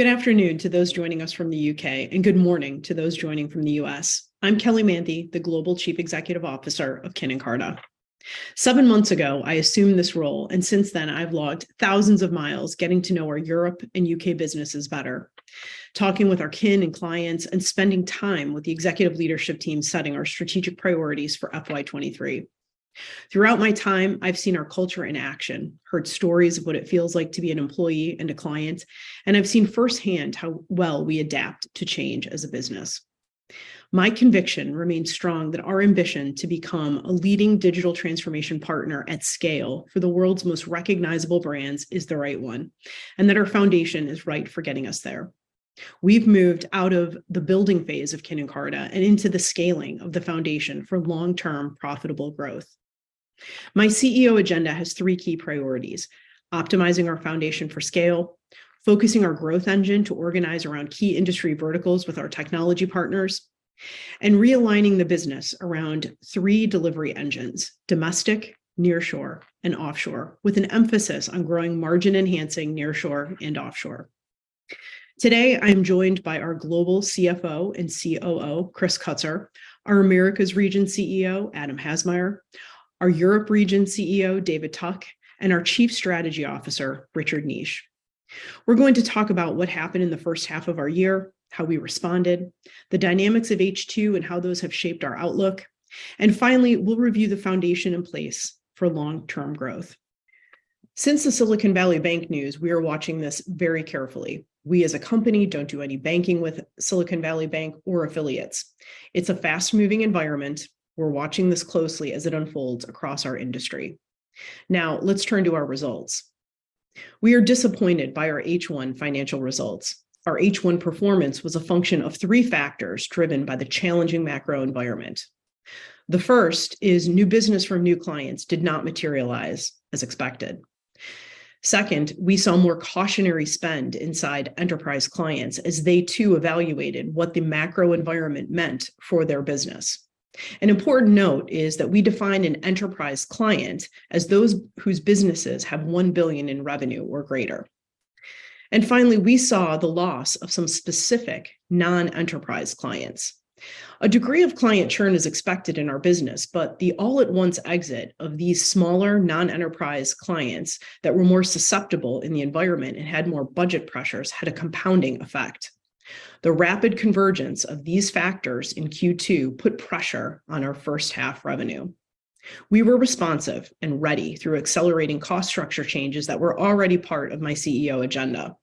Good afternoon to those joining us from the U.K., and good morning to those joining from the U.S. I'm Kelly Manthey, the Global Chief Executive Officer of Kin + Carta. Seven months ago, I assumed this role, and since then, I've logged thousands of miles getting to know our Europe and U.K. businesses better, talking with our kin and clients, and spending time with the executive leadership team, setting our strategic priorities for FY23. Throughout my time, I've seen our culture in action, heard stories of what it feels like to be an employee and a client, and I've seen firsthand how well we adapt to change as a business. My conviction remains strong that our ambition to become a leading digital transformation partner at scale for the world's most recognizable brands is the right one, and that our foundation is right for getting us there. We've moved out of the building phase of Kin + Carta and into the scaling of the foundation for long-term, profitable growth. My CEO agenda has three key priorities: optimizing our foundation for scale, focusing our growth engine to organize around key industry verticals with our technology partners, and realigning the business around three delivery engines, domestic, nearshore, and offshore, with an emphasis on growing margin-enhancing nearshore and offshore. Today, I'm joined by our Global CFO and COO, Chris Kutsor, our Americas Region CEO, Adam Hasemeyer, our Europe Region CEO, David Tuck, and our Chief Strategy Officer, Richard Neish. We're going to talk about what happened in the first half of our year, how we responded, the dynamics of H2, and how those have shaped our outlook. Finally, we'll review the foundation in place for long-term growth. Since the Silicon Valley Bank news, we are watching this very carefully. We, as a company, don't do any banking with Silicon Valley Bank or affiliates. It's a fast-moving environment. We're watching this closely as it unfolds across our industry. Now, let's turn to our results. We are disappointed by our H1 financial results. Our H1 performance was a function of three factors driven by the challenging macro environment. The first is new business from new clients did not materialize as expected. Second, we saw more cautionary spend inside enterprise clients as they, too, evaluated what the macro environment meant for their business. An important note is that we define an enterprise client as those whose businesses have 1 billion in revenue or greater. And finally, we saw the loss of some specific non-enterprise clients. A degree of client churn is expected in our business, but the all-at-once exit of these smaller, non-enterprise clients that were more susceptible in the environment and had more budget pressures had a compounding effect. The rapid convergence of these factors in Q2 put pressure on our first half revenue. We were responsive and ready through accelerating cost structure changes that were already part of my CEO agenda.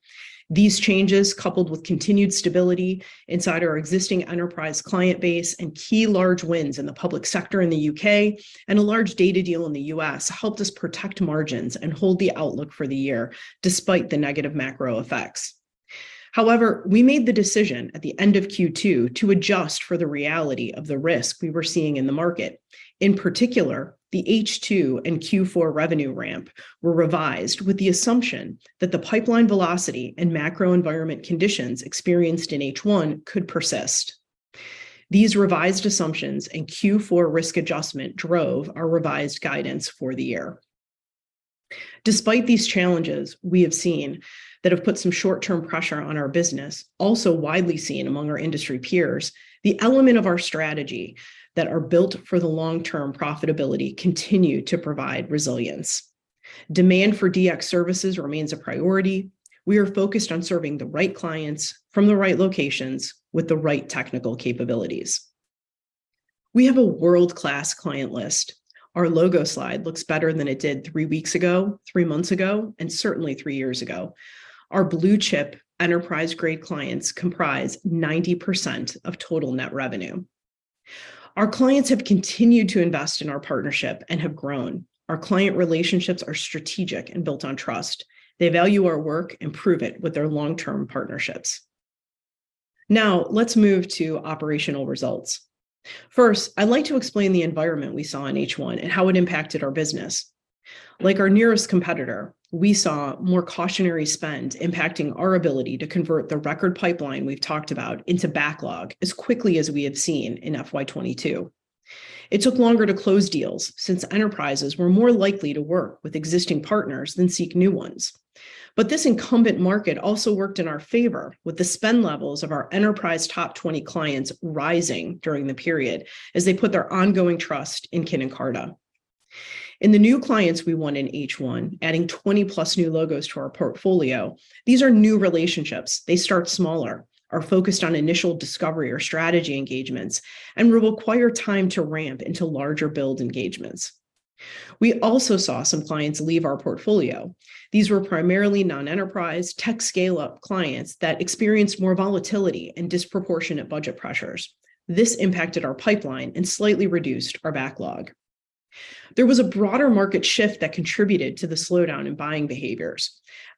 These changes, coupled with continued stability inside our existing enterprise client base and key large wins in the public sector in the U.K. and a large data deal in the U.S., helped us protect margins and hold the outlook for the year, despite the negative macro effects. However, we made the decision at the end of Q2 to adjust for the reality of the risk we were seeing in the market. In particular, the H2 and Q4 revenue ramp were revised with the assumption that the pipeline velocity and macro environment conditions experienced in H1 could persist. These revised assumptions and Q4 risk adjustment drove our revised guidance for the year. Despite these challenges, we have seen that have put some short-term pressure on our business, also widely seen among our industry peers, the element of our strategy that are built for the long-term profitability continue to provide resilience. Demand for DX services remains a priority. We are focused on serving the right clients from the right locations with the right technical capabilities. We have a world-class client list. Our logo slide looks better than it did three weeks ago, three months ago, and certainly three years ago. Our blue-chip, enterprise-grade clients comprise 90% of total net revenue. Our clients have continued to invest in our partnership and have grown. Our client relationships are strategic and built on trust. They value our work and prove it with their long-term partnerships. Now, let's move to operational results. First, I'd like to explain the environment we saw in H1 and how it impacted our business. Like our nearest competitor, we saw more cautionary spend impacting our ability to convert the record pipeline we've talked about into backlog as quickly as we have seen in FY 2022. It took longer to close deals since enterprises were more likely to work with existing partners than seek new ones. But this incumbent market also worked in our favor, with the spend levels of our enterprise top 20 clients rising during the period as they put their ongoing trust in Kin + Carta. In the new clients we won in H1, adding 20+ new logos to our portfolio, these are new relationships. They start smaller, are focused on initial discovery or strategy engagements, and will require time to ramp into larger build engagements. We also saw some clients leave our portfolio. These were primarily non-enterprise tech scale-up clients that experienced more volatility and disproportionate budget pressures. This impacted our pipeline and slightly reduced our backlog. There was a broader market shift that contributed to the slowdown in buying behaviors.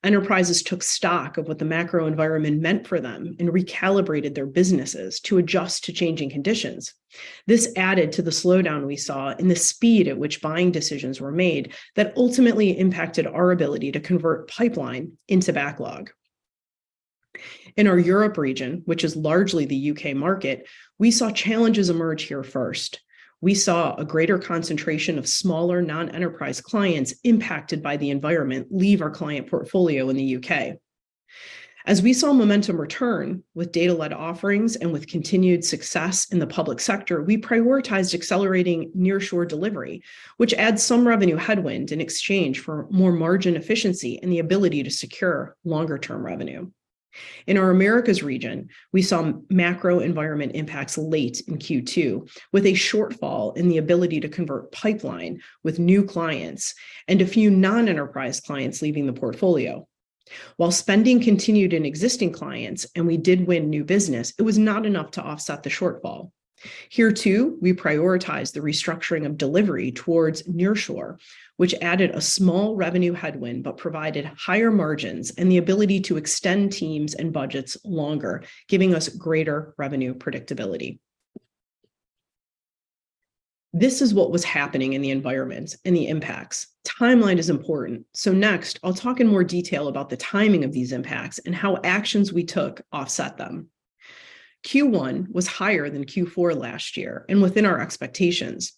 Enterprises took stock of what the macro environment meant for them and recalibrated their businesses to adjust to changing conditions. This added to the slowdown we saw in the speed at which buying decisions were made that ultimately impacted our ability to convert pipeline into backlog. In our Europe region, which is largely the U.K. market, we saw challenges emerge here first. We saw a greater concentration of smaller, non-enterprise clients impacted by the environment leave our client portfolio in the U.K. As we saw momentum return with data-led offerings and with continued success in the public sector, we prioritized accelerating nearshore delivery, which adds some revenue headwind in exchange for more margin efficiency and the ability to secure longer-term revenue. In our Americas region, we saw macro environment impacts late in Q2, with a shortfall in the ability to convert pipeline with new clients and a few non-enterprise clients leaving the portfolio. While spending continued in existing clients and we did win new business, it was not enough to offset the shortfall. Here, too, we prioritized the restructuring of delivery towards nearshore, which added a small revenue headwind, but provided higher margins and the ability to extend teams and budgets longer, giving us greater revenue predictability. This is what was happening in the environment and the impacts. Timeline is important, so next, I'll talk in more detail about the timing of these impacts and how actions we took offset them. Q1 was higher than Q4 last year and within our expectations.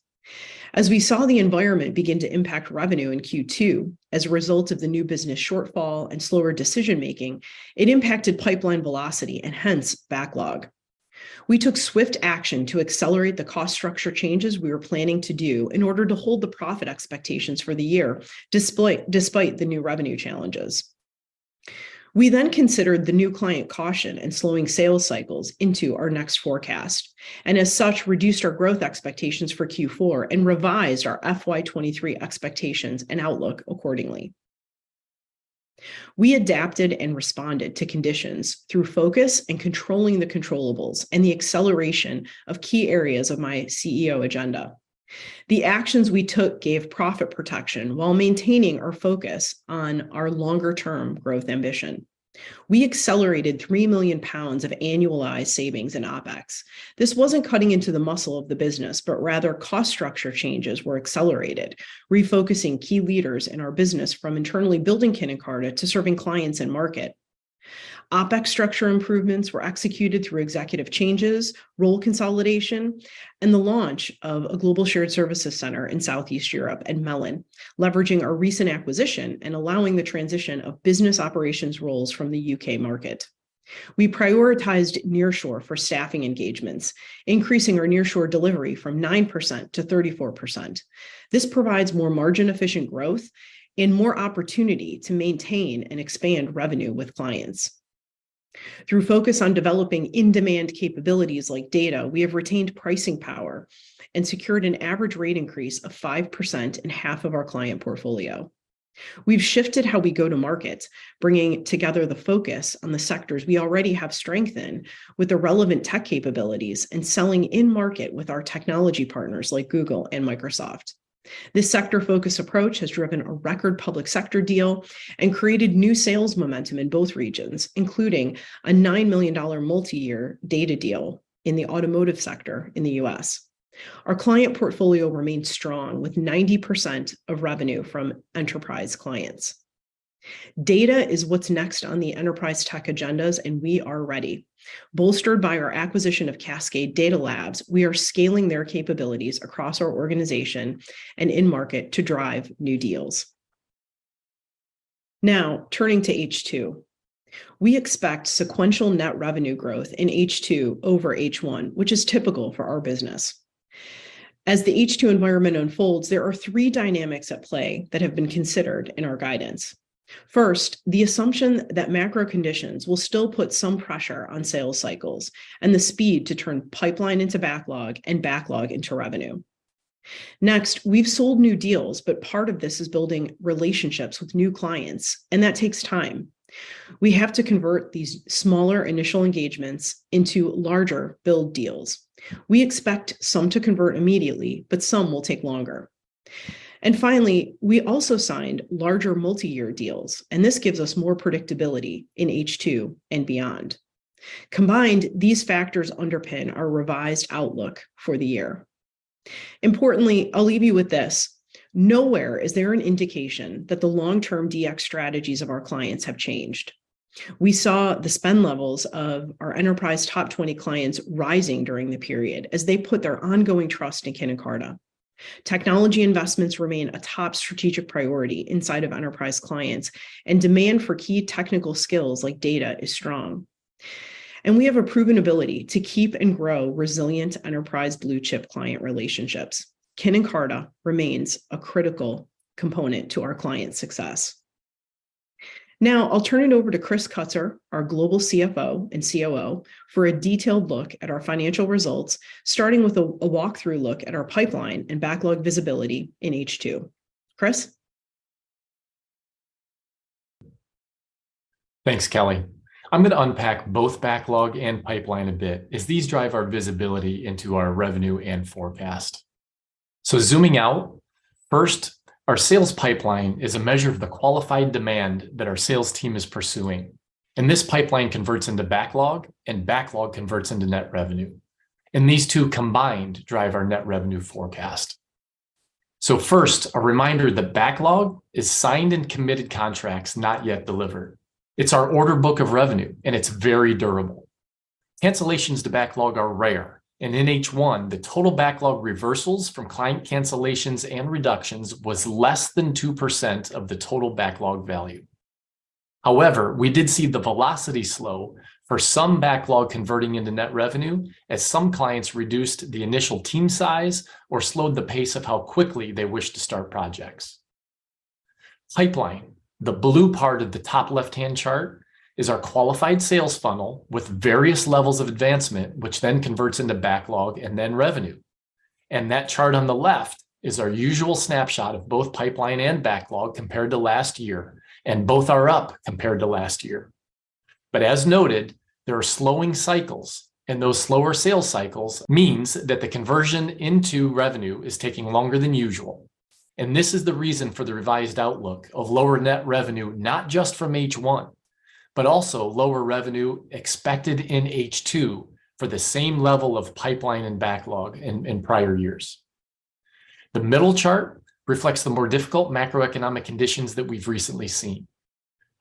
As we saw the environment begin to impact revenue in Q2 as a result of the new business shortfall and slower decision-making, it impacted pipeline velocity and hence backlog. We took swift action to accelerate the cost structure changes we were planning to do in order to hold the profit expectations for the year, despite the new revenue challenges. We then considered the new client caution and slowing sales cycles into our next forecast, and as such, reduced our growth expectations for Q4 and revised our FY 2023 expectations and outlook accordingly. We adapted and responded to conditions through focus and controlling the controllables and the acceleration of key areas of my CEO agenda. The actions we took gave profit protection while maintaining our focus on our longer-term growth ambition. We accelerated 3 million pounds of annualized savings in OpEx. This wasn't cutting into the muscle of the business, but rather, cost structure changes were accelerated, refocusing key leaders in our business from internally building Kin + Carta to serving clients and market. OpEx structure improvements were executed through executive changes, role consolidation, and the launch of a global shared services center in Southeast Europe and Melon, leveraging our recent acquisition and allowing the transition of business operations roles from the UK market. We prioritized nearshore for staffing engagements, increasing our nearshore delivery from 9%-34%. This provides more margin-efficient growth and more opportunity to maintain and expand revenue with clients. Through focus on developing in-demand capabilities like data, we have retained pricing power and secured an average rate increase of 5% in half of our client portfolio. We've shifted how we go to market, bringing together the focus on the sectors we already have strength in, with the relevant tech capabilities, and selling in market with our technology partners like Google and Microsoft. This sector-focused approach has driven a record public sector deal and created new sales momentum in both regions, including a $9 million multiyear data deal in the automotive sector in the U.S. Our client portfolio remains strong, with 90% of revenue from enterprise clients. Data is what's next on the enterprise tech agendas, and we are ready. Bolstered by our acquisition of Cascade Data Labs, we are scaling their capabilities across our organization and in market to drive new deals. Now, turning to H2. We expect sequential net revenue growth in H2 over H1, which is typical for our business. As the H2 environment unfolds, there are three dynamics at play that have been considered in our guidance. First, the assumption that macro conditions will still put some pressure on sales cycles and the speed to turn pipeline into backlog and backlog into revenue. Next, we've sold new deals, but part of this is building relationships with new clients, and that takes time. We have to convert these smaller initial engagements into larger build deals. We expect some to convert immediately, but some will take longer. And finally, we also signed larger multiyear deals, and this gives us more predictability in H2 and beyond. Combined, these factors underpin our revised outlook for the year. Importantly, I'll leave you with this: nowhere is there an indication that the long-term DX strategies of our clients have changed. We saw the spend levels of our enterprise top 20 clients rising during the period as they put their ongoing trust in Kin + Carta. Technology investments remain a top strategic priority inside of enterprise clients, and demand for key technical skills like data is strong, and we have a proven ability to keep and grow resilient enterprise blue-chip client relationships. Kin + Carta remains a critical component to our clients' success. Now I'll turn it over to Chris Kutzer, our Global CFO and COO, for a detailed look at our financial results, starting with a walkthrough look at our pipeline and backlog visibility in H2. Chris? Thanks, Kelly. I'm gonna unpack both backlog and pipeline a bit, as these drive our visibility into our revenue and forecast. So zooming out, first, our sales pipeline is a measure of the qualified demand that our sales team is pursuing, and this pipeline converts into backlog, and backlog converts into net revenue, and these two combined drive our net revenue forecast. So first, a reminder that backlog is signed and committed contracts not yet delivered. It's our order book of revenue, and it's very durable. Cancellations to backlog are rare, and in H1, the total backlog reversals from client cancellations and reductions was less than 2% of the total backlog value. However, we did see the velocity slow for some backlog converting into net revenue, as some clients reduced the initial team size or slowed the pace of how quickly they wished to start projects. Pipeline, the blue part of the top left-hand chart, is our qualified sales funnel with various levels of advancement, which then converts into backlog and then revenue. And that chart on the left is our usual snapshot of both pipeline and backlog compared to last year, and both are up compared to last year. But as noted, there are slowing cycles, and those slower sales cycles means that the conversion into revenue is taking longer than usual. And this is the reason for the revised outlook of lower net revenue, not just from H1, but also lower revenue expected in H2 for the same level of pipeline and backlog in prior years. The middle chart reflects the more difficult macroeconomic conditions that we've recently seen.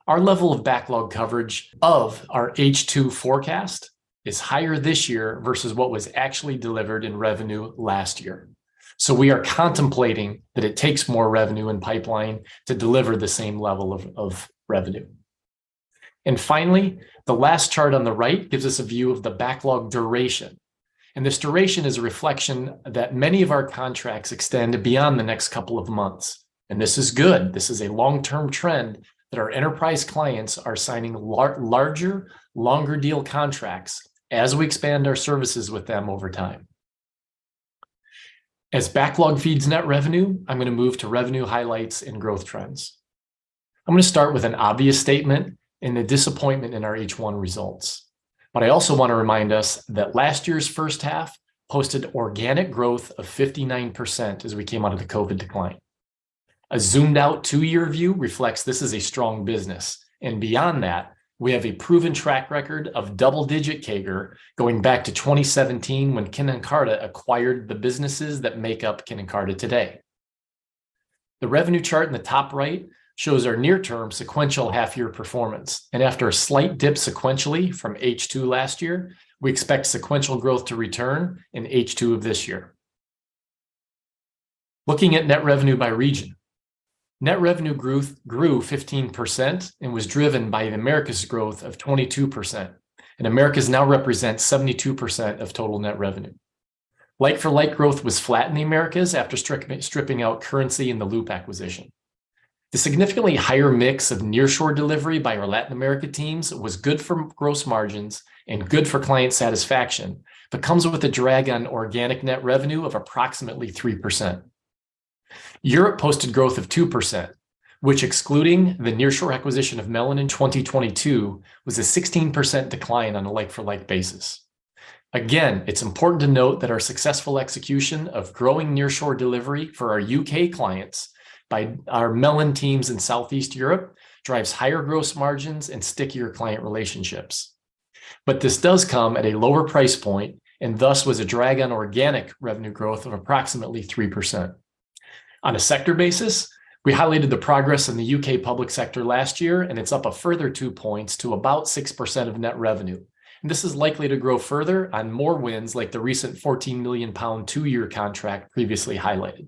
Our level of backlog coverage of our H2 forecast is higher this year versus what was actually delivered in revenue last year. So we are contemplating that it takes more revenue and pipeline to deliver the same level of revenue. And finally, the last chart on the right gives us a view of the backlog duration, and this duration is a reflection that many of our contracts extend beyond the next couple of months. And this is good. This is a long-term trend that our enterprise clients are signing larger, longer deal contracts as we expand our services with them over time. As backlog feeds net revenue, I'm gonna move to revenue highlights and growth trends. I'm gonna start with an obvious statement and a disappointment in our H1 results. But I also want to remind us that last year's first half posted organic growth of 59% as we came out of the COVID decline. A zoomed out two-year view reflects this is a strong business, and beyond that, we have a proven track record of double-digit CAGR going back to 2017 when Kin + Carta acquired the businesses that make up Kin + Carta today. The revenue chart in the top right shows our near-term sequential half-year performance, and after a slight dip sequentially from H2 last year, we expect sequential growth to return in H2 of this year. Looking at net revenue by region, net revenue growth grew 15% and was driven by an Americas growth of 22%, and Americas now represents 72% of total net revenue. Like-for-like growth was flat in the Americas after strictly stripping out currency in the Loop acquisition. The significantly higher mix of nearshore delivery by our Latin America teams was good for gross margins and good for client satisfaction, but comes with a drag on organic net revenue of approximately 3%. Europe posted growth of 2%, which, excluding the nearshore acquisition of Melon in 2022, was a 16% decline on a like-for-like basis. Again, it's important to note that our successful execution of growing nearshore delivery for our U.K. clients by our Melon teams in Southeast Europe drives higher gross margins and stickier client relationships. But this does come at a lower price point, and thus was a drag on organic revenue growth of approximately 3%. On a sector basis, we highlighted the progress in the U.K. public sector last year, and it's up a further two points to about 6% of net revenue. This is likely to grow further on more wins, like the recent 14 million pound two-year contract previously highlighted.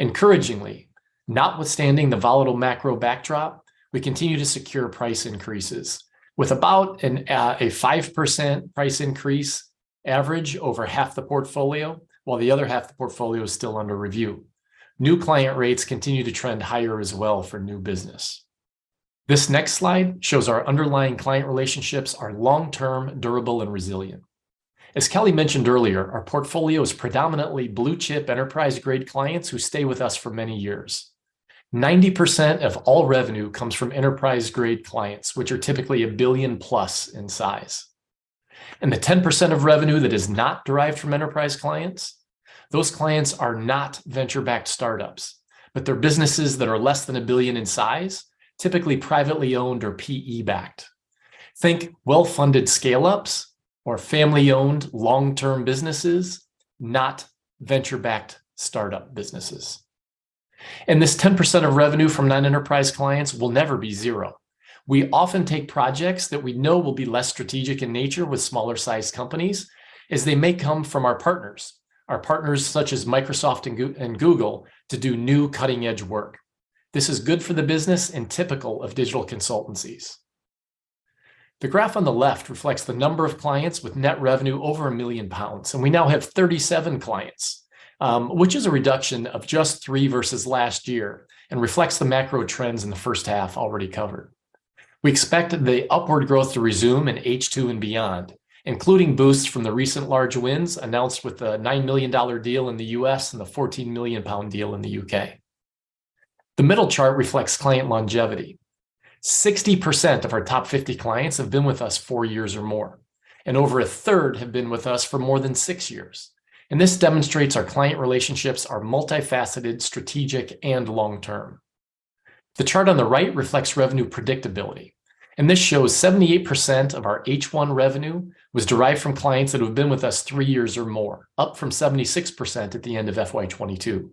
Encouragingly, notwithstanding the volatile macro backdrop, we continue to secure price increases, with about an, a 5% price increase average over half the portfolio, while the other half of the portfolio is still under review. New client rates continue to trend higher as well for new business. This next slide shows our underlying client relationships are long-term, durable, and resilient. As Kelly mentioned earlier, our portfolio is predominantly blue-chip, enterprise-grade clients who stay with us for many years. 90% of all revenue comes from enterprise-grade clients, which are typically a billion-plus in size. The 10% of revenue that is not derived from enterprise clients, those clients are not venture-backed startups, but they're businesses that are less than a billion in size, typically privately owned or PE-backed. Think well-funded scale-ups or family-owned long-term businesses, not venture-backed startup businesses. This 10% of revenue from non-enterprise clients will never be zero. We often take projects that we know will be less strategic in nature with smaller-sized companies, as they may come from our partners, our partners such as Microsoft and Google, to do new cutting-edge work. This is good for the business and typical of digital consultancies. The graph on the left reflects the number of clients with net revenue over 1 million pounds, and we now have 37 clients, which is a reduction of just 3 versus last year and reflects the macro trends in the first half already covered. We expect the upward growth to resume in H2 and beyond, including boosts from the recent large wins announced with the $9 million deal in the U.S. and the 14 million pound deal in the U.K. The middle chart reflects client longevity. 60% of our top 50 clients have been with us four years or more, and over a third have been with us for more than six years. This demonstrates our client relationships are multifaceted, strategic, and long-term. The chart on the right reflects revenue predictability, and this shows 78% of our H1 revenue was derived from clients that have been with us three years or more, up from 76% at the end of FY 2022.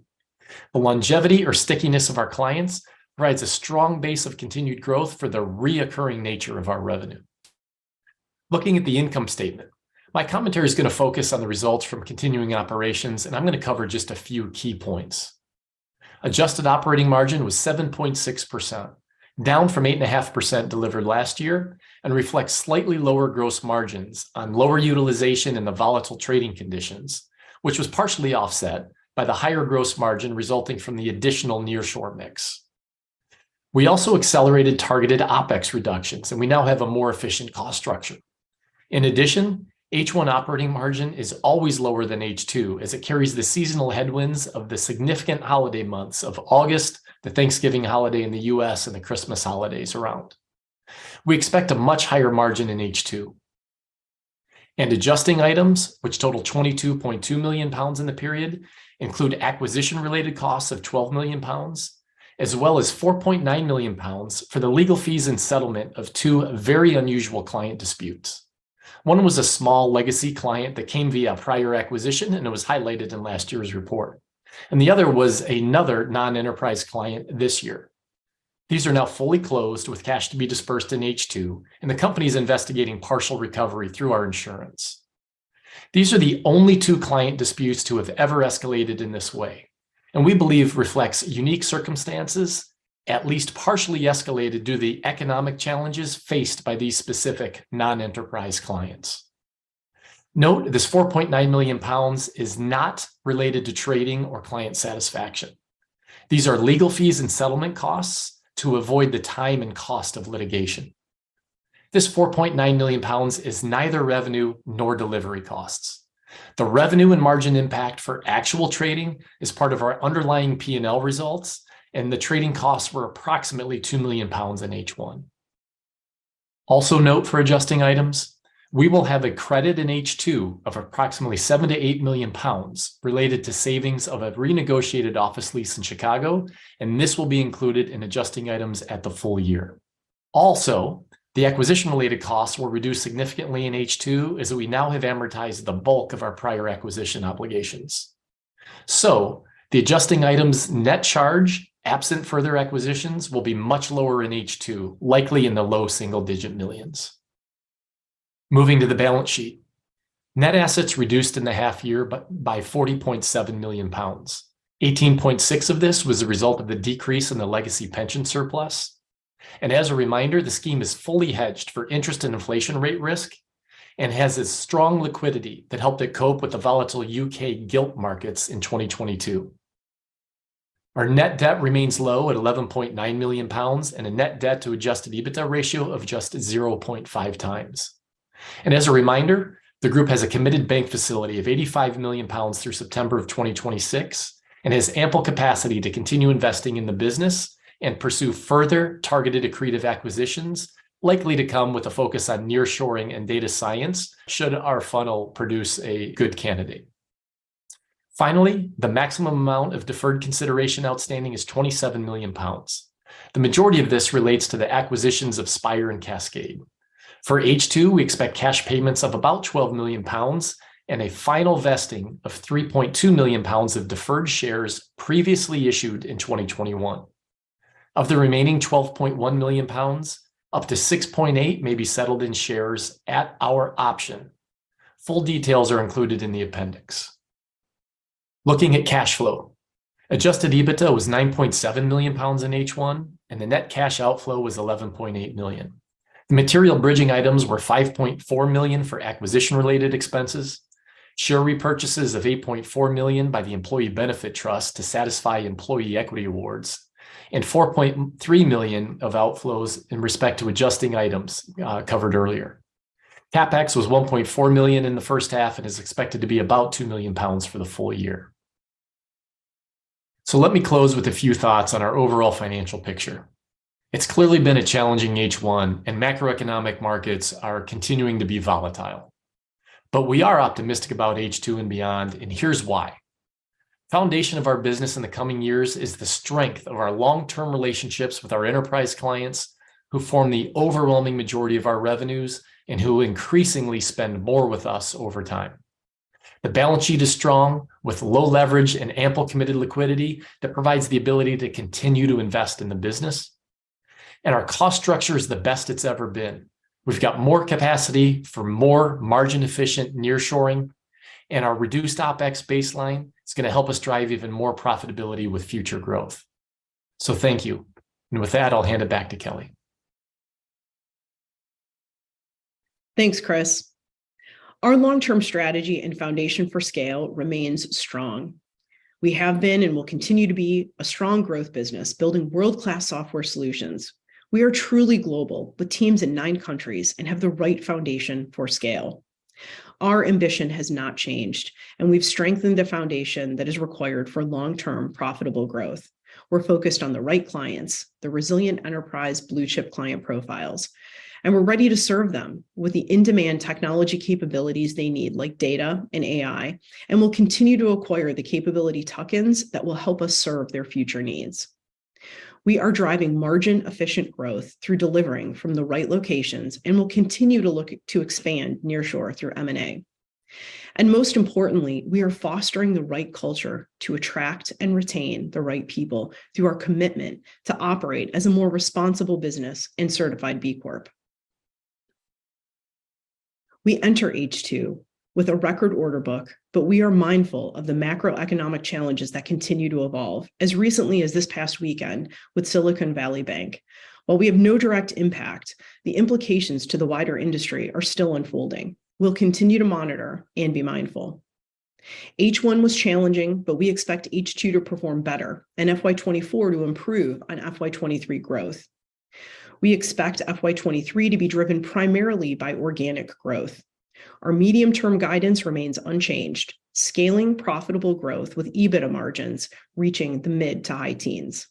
The longevity or stickiness of our clients provides a strong base of continued growth for the recurring nature of our revenue. Looking at the income statement, my commentary is going to focus on the results from continuing operations, and I'm going to cover just a few key points. Adjusted operating margin was 7.6%, down from 8.5% delivered last year, and reflects slightly lower gross margins on lower utilization in the volatile trading conditions, which was partially offset by the higher gross margin resulting from the additional nearshore mix. We also accelerated targeted OpEx reductions, and we now have a more efficient cost structure. In addition, H1 operating margin is always lower than H2, as it carries the seasonal headwinds of the significant holiday months of August, the Thanksgiving holiday in the U.S., and the Christmas holidays around. We expect a much higher margin in H2. Adjusting items, which total 22.2 million pounds in the period, include acquisition-related costs of 12 million pounds, as well as 4.9 million pounds for the legal fees and settlement of two very unusual client disputes. One was a small legacy client that came via a prior acquisition, and it was highlighted in last year's report, and the other was another non-enterprise client this year. These are now fully closed, with cash to be disbursed in H2, and the company is investigating partial recovery through our insurance. These are the only two client disputes to have ever escalated in this way, and we believe reflects unique circumstances, at least partially escalated due to the economic challenges faced by these specific non-enterprise clients. Note, this 4.9 million pounds is not related to trading or client satisfaction. These are legal fees and settlement costs to avoid the time and cost of litigation. This 4.9 million pounds is neither revenue nor delivery costs. The revenue and margin impact for actual trading is part of our underlying PNL results, and the trading costs were approximately 2 million pounds in H1. Also note for adjusting items, we will have a credit in H2 of approximately 7-8 million pounds related to savings of a renegotiated office lease in Chicago, and this will be included in adjusting items at the full year. Also, the acquisition-related costs were reduced significantly in H2, as we now have amortized the bulk of our prior acquisition obligations. So the adjusting items net charge, absent further acquisitions, will be much lower in H2, likely in the low single-digit millions. Moving to the balance sheet. Net assets reduced in the half year by 40.7 million pounds. 18.6 of this was a result of the decrease in the legacy pension surplus. And as a reminder, the scheme is fully hedged for interest and inflation rate risk and has a strong liquidity that helped it cope with the volatile U.K. gilt markets in 2022. Our net debt remains low at 11.9 million pounds, and a net debt to adjusted EBITDA ratio of just 0.5x. As a reminder, the group has a committed bank facility of 85 million pounds through September 2026 and has ample capacity to continue investing in the business and pursue further targeted accretive acquisitions, likely to come with a focus on nearshoring and data science, should our funnel produce a good candidate. Finally, the maximum amount of deferred consideration outstanding is 27 million pounds. The majority of this relates to the acquisitions of Spire and Cascade. For H2, we expect cash payments of about 12 million pounds and a final vesting of 3.2 million pounds of deferred shares previously issued in 2021. Of the remaining 12.1 million pounds, up to 6.8 may be settled in shares at our option. Full details are included in the appendix. Looking at cash flow. Adjusted EBITDA was 9.7 million pounds in H1, and the net cash outflow was 11.8 million. The material bridging items were 5.4 million for acquisition-related expenses, share repurchases of 8.4 million by the Employee Benefit Trust to satisfy employee equity awards, and 4.3 million of outflows in respect to adjusting items, covered earlier. CapEx was 1.4 million in the first half and is expected to be about 2 million pounds for the full year. So let me close with a few thoughts on our overall financial picture. It's clearly been a challenging H1, and macroeconomic markets are continuing to be volatile. But we are optimistic about H2 and beyond, and here's why. Foundation of our business in the coming years is the strength of our long-term relationships with our enterprise clients, who form the overwhelming majority of our revenues and who increasingly spend more with us over time. The balance sheet is strong, with low leverage and ample committed liquidity that provides the ability to continue to invest in the business, and our cost structure is the best it's ever been. We've got more capacity for more margin-efficient nearshoring, and our reduced OpEx baseline is going to help us drive even more profitability with future growth. So thank you. And with that, I'll hand it back to Kelly. Thanks, Chris. Our long-term strategy and foundation for scale remains strong. We have been and will continue to be a strong growth business, building world-class software solutions. We are truly global, with teams in nine countries, and have the right foundation for scale. Our ambition has not changed, and we've strengthened the foundation that is required for long-term, profitable growth. We're focused on the right clients, the resilient enterprise blue-chip client profiles, and we're ready to serve them with the in-demand technology capabilities they need, like data and AI, and we'll continue to acquire the capability tuck-ins that will help us serve their future needs.... We are driving margin-efficient growth through delivering from the right locations, and we'll continue to look to expand nearshore through M&A. Most importantly, we are fostering the right culture to attract and retain the right people through our commitment to operate as a more responsible business and certified B Corp. We enter H2 with a record order book, but we are mindful of the macroeconomic challenges that continue to evolve, as recently as this past weekend with Silicon Valley Bank. While we have no direct impact, the implications to the wider industry are still unfolding. We'll continue to monitor and be mindful. H1 was challenging, but we expect H2 to perform better and FY 2024 to improve on FY 2023 growth. We expect FY 2023 to be driven primarily by organic growth. Our medium-term guidance remains unchanged, scaling profitable growth with EBITDA margins, reaching the mid to high teens.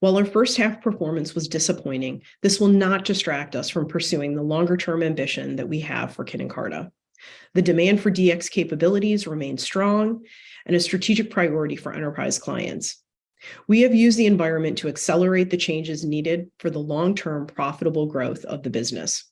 While our first half performance was disappointing, this will not distract us from pursuing the longer-term ambition that we have for Kin + Carta. The demand for DX capabilities remains strong and a strategic priority for enterprise clients. We have used the environment to accelerate the changes needed for the long-term profitable growth of the business.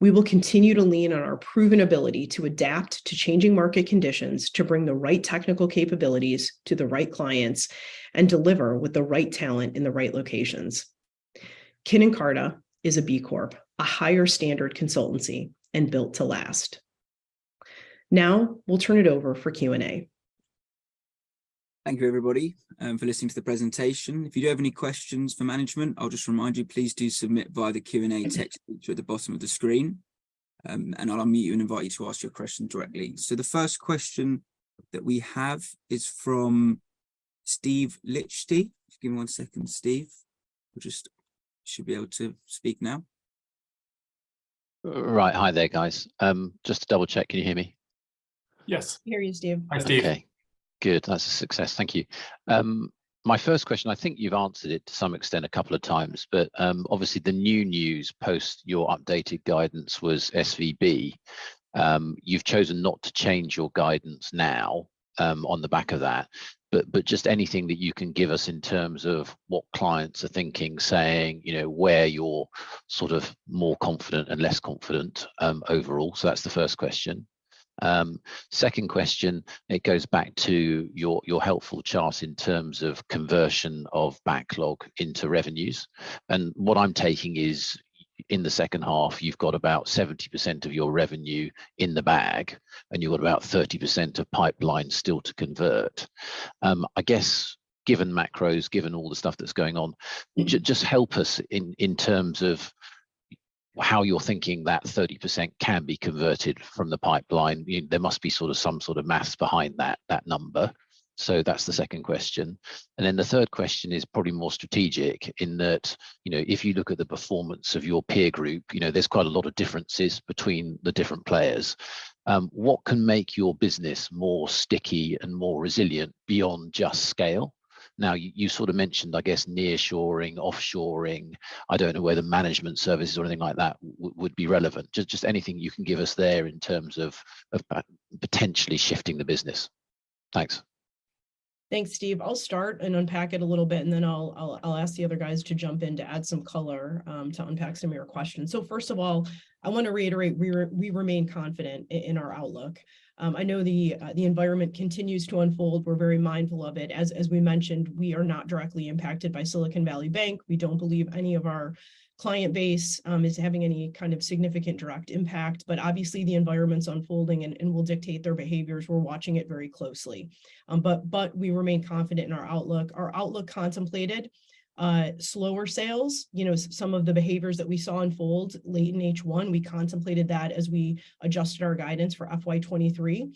We will continue to lean on our proven ability to adapt to changing market conditions, to bring the right technical capabilities to the right clients, and deliver with the right talent in the right locations. Kin + Carta is a B Corp, a higher standard consultancy, and built to last. Now, we'll turn it over for Q&A. Thank you, everybody, for listening to the presentation. If you do have any questions for management, I'll just remind you, please do submit via the Q&A text feature at the bottom of the screen, and I'll unmute you and invite you to ask your question directly. So the first question that we have is from Steve Liechti. Just give me one second, Steve. You just should be able to speak now. Right. Hi there, guys. Just to double-check, can you hear me? Yes. We hear you, Steve. Hi, Steve. Okay, good. That's a success. Thank you. My first question, I think you've answered it to some extent a couple of times, but, obviously, the new news, post your updated guidance was SVB. You've chosen not to change your guidance now, on the back of that, but just anything that you can give us in terms of what clients are thinking, saying, you know, where you're sort of more confident and less confident, overall? So that's the first question. Second question, it goes back to your helpful chart in terms of conversion of backlog into revenues. And what I'm taking is, in the second half, you've got about 70% of your revenue in the bag, and you've got about 30% of pipeline still to convert. I guess, given macros, given all the stuff that's going on- Mm-hmm... just help us in terms of how you're thinking that 30% can be converted from the pipeline. There must be sort of some sort of maths behind that number. So that's the second question. And then the third question is probably more strategic in that, you know, if you look at the performance of your peer group, you know, there's quite a lot of differences between the different players. What can make your business more sticky and more resilient beyond just scale? Now, you sort of mentioned, I guess, nearshoring, offshoring. I don't know whether managed services or anything like that would be relevant. Just anything you can give us there in terms of potentially shifting the business. Thanks. Thanks, Steve. I'll start and unpack it a little bit, and then I'll ask the other guys to jump in to add some color to unpack some of your questions. So first of all, I want to reiterate, we remain confident in our outlook. I know the environment continues to unfold. We're very mindful of it. As we mentioned, we are not directly impacted by Silicon Valley Bank. We don't believe any of our client base is having any kind of significant direct impact, but obviously, the environment's unfolding and will dictate their behaviors. We're watching it very closely. But we remain confident in our outlook. Our outlook contemplated slower sales. You know, some of the behaviors that we saw unfold late in H1, we contemplated that as we adjusted our guidance for FY23.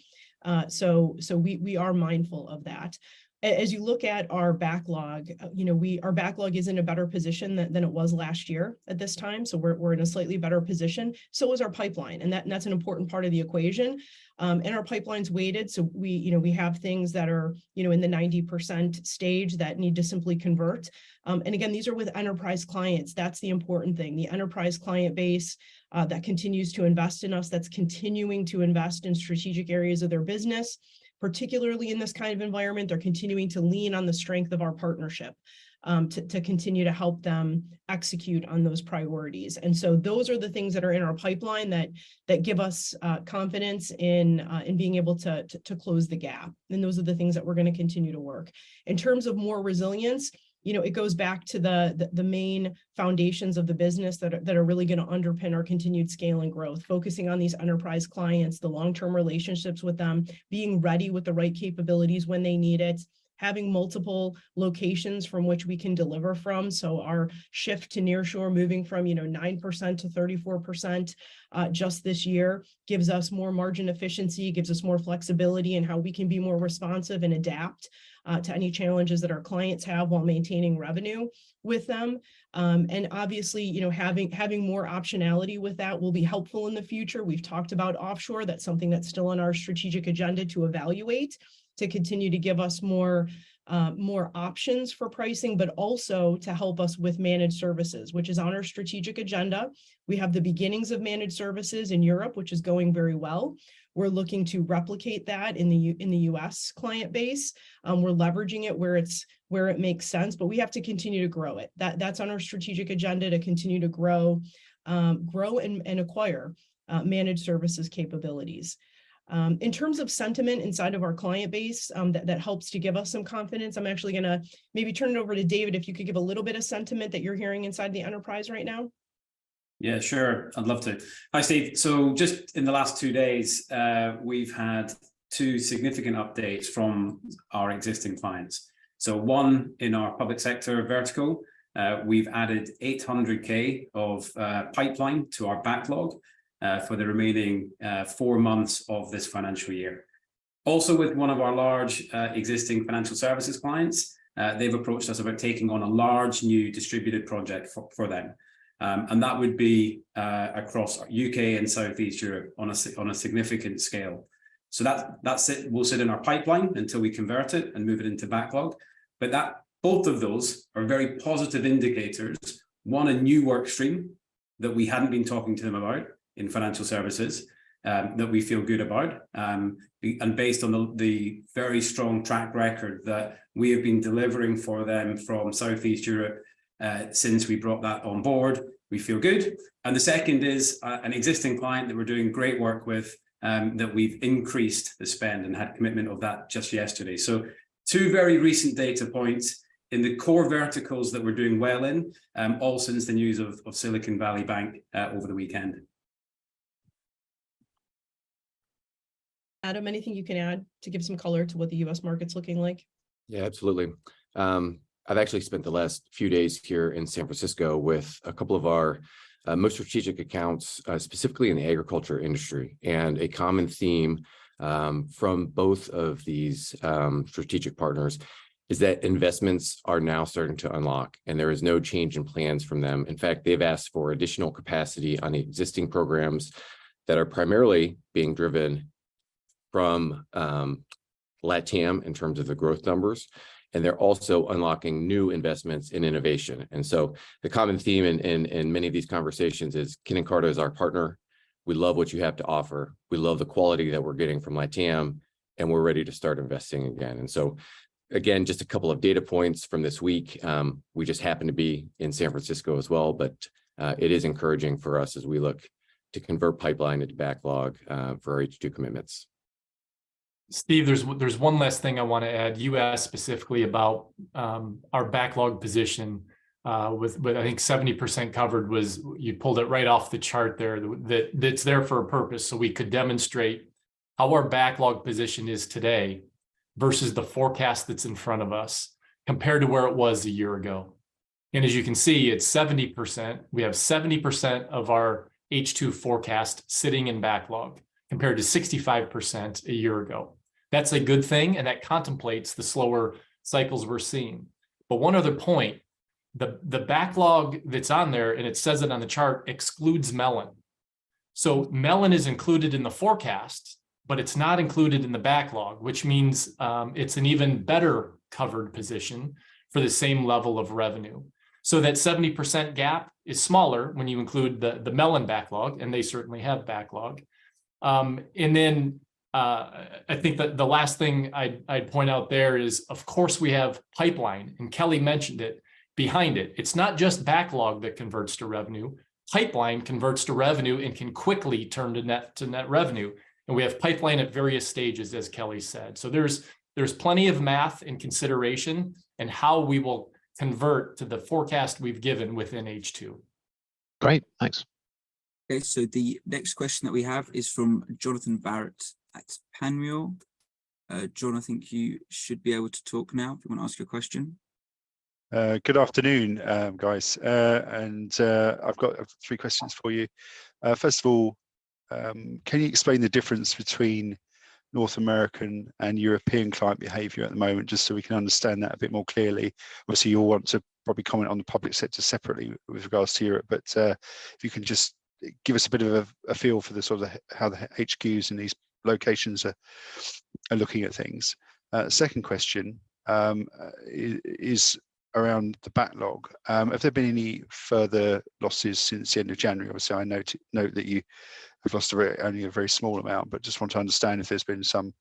So we are mindful of that. As you look at our backlog, you know, our backlog is in a better position than it was last year at this time, so we're in a slightly better position. So is our pipeline, and that's an important part of the equation. And our pipeline's weighted, so we, you know, we have things that are, you know, in the 90% stage that need to simply convert. And again, these are with enterprise clients. That's the important thing. The enterprise client base that continues to invest in us, that's continuing to invest in strategic areas of their business, particularly in this kind of environment, they're continuing to lean on the strength of our partnership, to continue to help them execute on those priorities. And so those are the things that are in our pipeline that give us confidence in being able to close the gap. And those are the things that we're gonna continue to work. In terms of more resilience, you know, it goes back to the main foundations of the business that are really gonna underpin our continued scale and growth, focusing on these enterprise clients, the long-term relationships with them, being ready with the right capabilities when they need it, having multiple locations from which we can deliver from. So our shift to nearshore, moving from, you know, 9%-34%, just this year, gives us more margin efficiency, gives us more flexibility in how we can be more responsive and adapt to any challenges that our clients have while maintaining revenue with them. And obviously, you know, having more optionality with that will be helpful in the future. We've talked about offshore. That's something that's still on our strategic agenda to evaluate, to continue to give us more options for pricing, but also to help us with managed services, which is on our strategic agenda. We have the beginnings of managed services in Europe, which is going very well. We're looking to replicate that in the U.S. client base. We're leveraging it where it makes sense, but we have to continue to grow it. That's on our strategic agenda, to continue to grow and acquire managed services capabilities. In terms of sentiment inside of our client base, that helps to give us some confidence. I'm actually gonna maybe turn it over to David, if you could give a little bit of sentiment that you're hearing inside the enterprise right now? Yeah, sure. I'd love to. Hi, Steve. So just in the last two days, we've had two significant updates from our existing clients. So one in our public sector vertical, we've added 800,000 of pipeline to our backlog for the remaining four months of this financial year. Also, with one of our large existing financial services clients, they've approached us about taking on a large, new distributed project for them. And that would be across UK and Southeast Europe on a significant scale. So that will sit in our pipeline until we convert it and move it into backlog. But both of those are very positive indicators. One, a new work stream that we hadn't been talking to them about in financial services, that we feel good about. And based on the very strong track record that we have been delivering for them from Southeast Europe, since we brought that on board, we feel good. And the second is, an existing client that we're doing great work with, that we've increased the spend and had commitment of that just yesterday. So two very recent data points in the core verticals that we're doing well in, all since the news of Silicon Valley Bank, over the weekend. Adam, anything you can add to give some color to what the U.S. market's looking like? Yeah, absolutely. I've actually spent the last few days here in San Francisco with a couple of our most strategic accounts, specifically in the agriculture industry. And a common theme from both of these strategic partners is that investments are now starting to unlock, and there is no change in plans from them. In fact, they've asked for additional capacity on existing programs that are primarily being driven from LatAm, in terms of the growth numbers, and they're also unlocking new investments in innovation. And so the common theme in many of these conversations is, "Kin + Carta is our partner. We love what you have to offer. We love the quality that we're getting from LatAm, and we're ready to start investing again." And so, again, just a couple of data points from this week. We just happened to be in San Francisco as well, but it is encouraging for us as we look to convert pipeline into backlog for H2 commitments. Steve, there's one last thing I want to add. You asked specifically about our backlog position, with I think 70% covered was. You pulled it right off the chart there. That's there for a purpose, so we could demonstrate how our backlog position is today versus the forecast that's in front of us, compared to where it was a year ago. And as you can see, it's 70%. We have 70% of our H2 forecast sitting in backlog, compared to 65% a year ago. That's a good thing, and that contemplates the slower cycles we're seeing. But one other point, the backlog that's on there, and it says it on the chart, excludes Melon. So Melon is included in the forecast, but it's not included in the backlog, which means it's an even better covered position for the same level of revenue. So that 70% gap is smaller when you include the Melon backlog, and they certainly have backlog. And then I think the last thing I'd point out there is, of course, we have pipeline, and Kelly mentioned it, behind it. It's not just backlog that converts to revenue. Pipeline converts to revenue and can quickly turn to net revenue, and we have pipeline at various stages, as Kelly said. So there's plenty of math and consideration in how we will convert to the forecast we've given within H2. Great, thanks. Okay, so the next question that we have is from Jonathan Barrett at Panmure. Jon, I think you should be able to talk now if you want to ask your question. Good afternoon, guys. I've got three questions for you. First of all, can you explain the difference between North American and European client behavior at the moment, just so we can understand that a bit more clearly? Obviously, you'll want to probably comment on the public sector separately with regards to Europe, but if you can just give us a bit of a feel for the sort of the how the HQs in these locations are looking at things. Second question is around the backlog. Have there been any further losses since the end of January? Obviously, I note that you have lost only a very small amount, but just want to understand if there's been some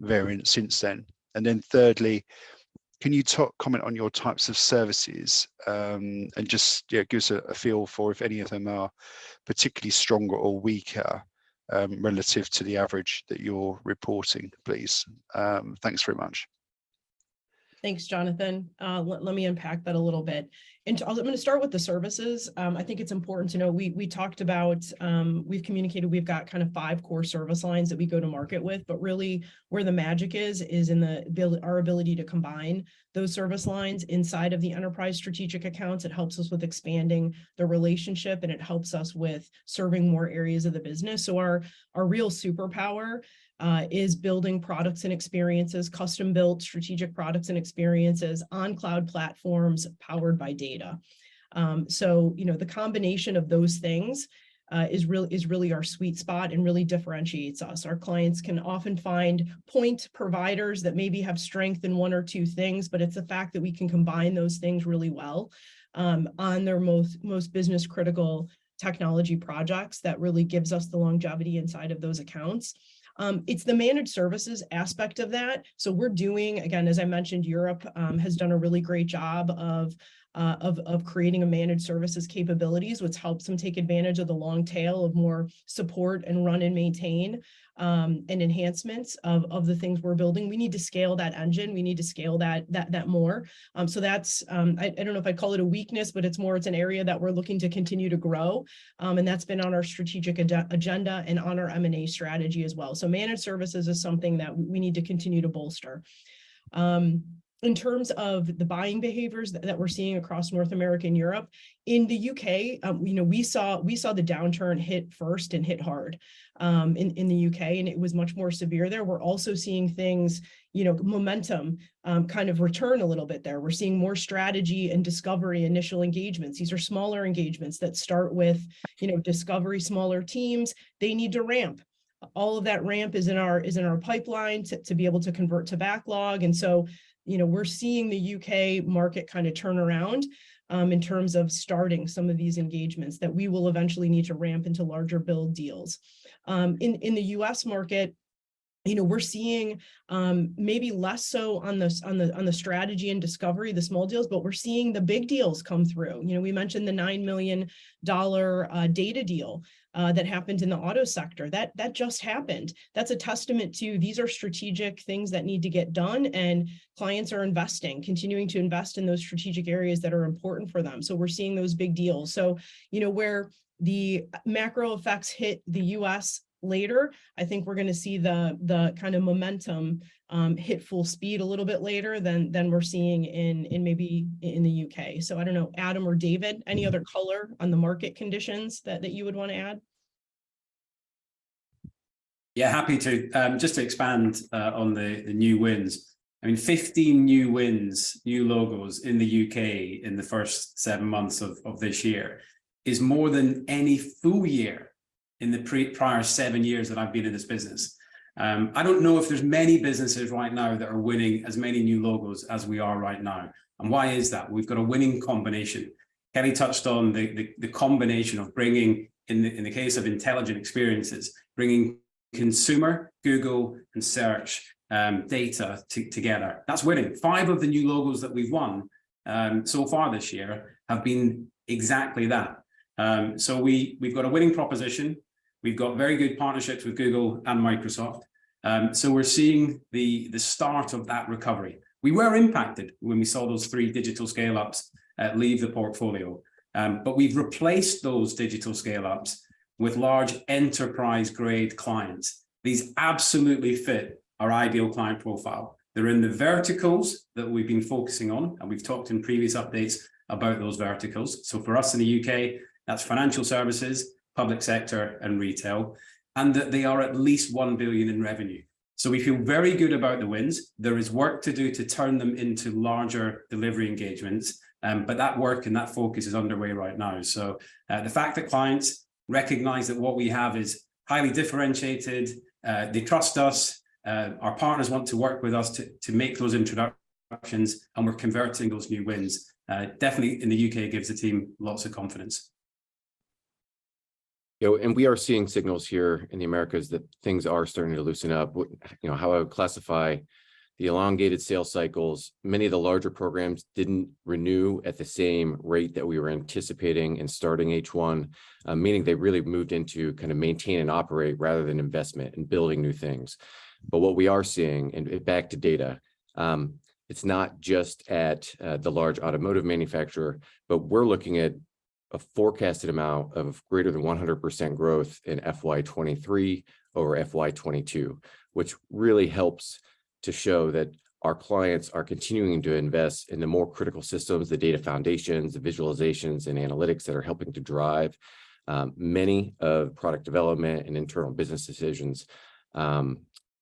variance since then. And then thirdly, can you comment on your types of services, and just give us a feel for if any of them are particularly stronger or weaker, relative to the average that you're reporting, please. Thanks very much. Thanks, Jonathan. Let me unpack that a little bit. And I'm gonna start with the services. I think it's important to know, we talked about, we've communicated, we've got kind of five core service lines that we go to market with, but really, where the magic is, is in our ability to combine those service lines inside of the enterprise strategic accounts. It helps us with expanding the relationship, and it helps us with serving more areas of the business. So our real superpower is building products and experiences, custom-built strategic products and experiences on cloud platforms powered by data. So, you know, the combination of those things is really our sweet spot and really differentiates us. Our clients can often find point providers that maybe have strength in one or two things, but it's the fact that we can combine those things really well, on their most business-critical technology projects that really gives us the longevity inside of those accounts. It's the managed services aspect of that. So we're doing. Again, as I mentioned, Europe has done a really great job of creating a managed services capability, which helps them take advantage of the long tail of more support, and run and maintain, and enhancements of the things we're building. We need to scale that engine. We need to scale that more. So that's, I don't know if I'd call it a weakness, but it's more it's an area that we're looking to continue to grow. That's been on our strategic agenda and on our M&A strategy as well. Managed services is something that we need to continue to bolster. In terms of the buying behaviors that we're seeing across North America and Europe, in the U.K., you know, we saw the downturn hit first and hit hard in the U.K., and it was much more severe there. We're also seeing things, you know, momentum, kind of return a little bit there. We're seeing more strategy and discovery initial engagements. These are smaller engagements that start with, you know, discovery, smaller teams. They need to ramp. All of that ramp is in our pipeline to be able to convert to backlog. You know, we're seeing the U.K. market kind of turn around in terms of starting some of these engagements that we will eventually need to ramp into larger build deals. In the U.S. market, you know, we're seeing maybe less so on the strategy and discovery, the small deals, but we're seeing the big deals come through. You know, we mentioned the $9 million data deal that happened in the auto sector. That just happened. That's a testament to these are strategic things that need to get done, and clients are investing, continuing to invest in those strategic areas that are important for them. You know, we're seeing those big deals. So, you know, where the macro effects hit the US later, I think we're gonna see the kind of momentum hit full speed a little bit later than we're seeing in maybe the UK. So I don't know, Adam or David, any other color on the market conditions that you would wanna add? Yeah, happy to. Just to expand on the new wins. I mean, 15 new wins, new logos in the U.K. in the first seven months of this year, is more than any full year in the prior seven years that I've been in this business. I don't know if there's many businesses right now that are winning as many new logos as we are right now. And why is that? We've got a winning combination. Kelly touched on the combination of bringing, in the case of Intelligent Experiences, bringing consumer, Google, and search data together. That's winning. Five of the new logos that we've won so far this year have been exactly that. So we, we've got a winning proposition. We've got very good partnerships with Google and Microsoft. So we're seeing the start of that recovery. We were impacted when we saw those three digital scale-ups leave the portfolio. But we've replaced those digital scale-ups with large enterprise-grade clients. These absolutely fit our ideal client profile. They're in the verticals that we've been focusing on, and we've talked in previous updates about those verticals. So for us in the U.K., that's financial services, public sector, and retail, and that they are at least 1 billion in revenue. So we feel very good about the wins. There is work to do to turn them into larger delivery engagements, but that work and that focus is underway right now. The fact that clients recognize that what we have is highly differentiated, they trust us, our partners want to work with us to make those introductions, and we're converting those new wins, definitely in the U.K., gives the team lots of confidence. You know, and we are seeing signals here in the Americas that things are starting to loosen up. What... You know, how I would classify the elongated sales cycles, many of the larger programs didn't renew at the same rate that we were anticipating and starting H1, meaning they really moved into kind of maintain and operate rather than investment and building new things. But what we are seeing, and back to data, it's not just at the large automotive manufacturer, but we're looking at a forecasted amount of greater than 100% growth in FY 2023 over FY 2022, which really helps to show that our clients are continuing to invest in the more critical systems, the data foundations, the visualizations, and analytics that are helping to drive many of product development and internal business decisions.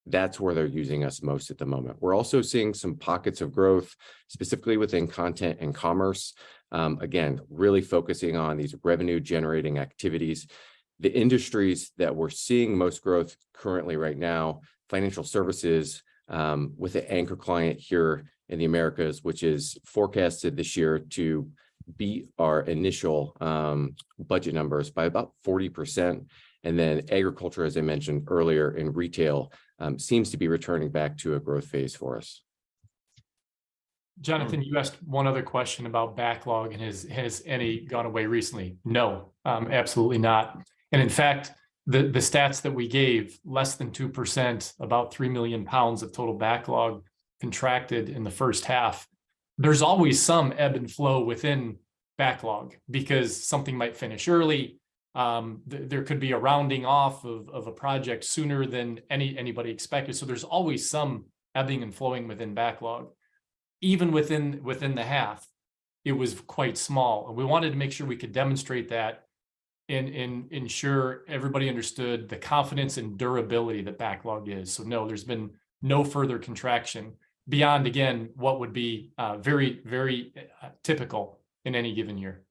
That's where they're using us most at the moment. We're also seeing some pockets of growth, specifically within content and commerce. Again, really focusing on these revenue-generating activities. The industries that we're seeing most growth currently right now, financial services, with the anchor client here in the Americas, which is forecasted this year to beat our initial budget numbers by about 40%, and then agriculture, as I mentioned earlier, and retail, seems to be returning back to a growth phase for us. Mm-hmm. Jonathan, you asked one other question about backlog, and has any gone away recently? No, absolutely not. And in fact, the stats that we gave, less than 2%, about 3 million pounds of total backlog contracted in the first half. There's always some ebb and flow within backlog, because something might finish early, there could be a rounding off of a project sooner than anybody expected. So there's always some ebbing and flowing within backlog. Even within the half, it was quite small, and we wanted to make sure we could demonstrate that and ensure everybody understood the confidence and durability that backlog is. So no, there's been no further contraction beyond, again, what would be very typical in any given year.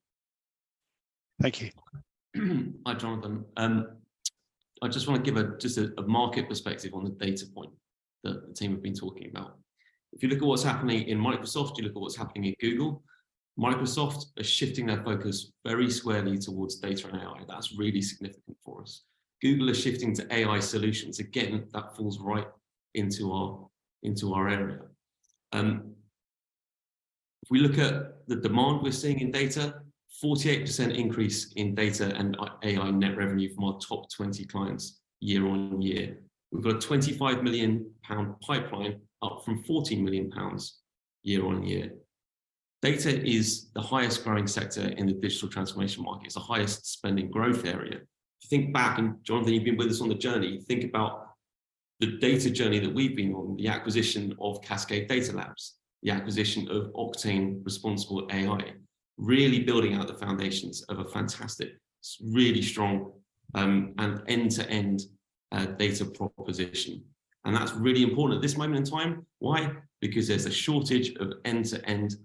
Thank you. Hi, Jonathan. I just wanna give a market perspective on the data point that the team have been talking about. If you look at what's happening in Microsoft, you look at what's happening at Google, Microsoft are shifting their focus very squarely towards data and AI. That's really significant for us. Google is shifting to AI solutions. Again, that falls right into our area. If we look at the demand we're seeing in data, 48% increase in data and AI net revenue from our top 20 clients year-on-year. We've got a 25 million pound pipeline, up from 14 million pounds year-on-year. Data is the highest growing sector in the digital transformation market. It's the highest spending growth area. If you think back, and Jonathan, you've been with us on the journey, think about the data journey that we've been on, the acquisition of Cascade Data Labs, the acquisition of Octane Responsible AI, really building out the foundations of a fantastic, really strong, and end-to-end data proposition, and that's really important at this moment in time. Why? Because there's a shortage of end-to-end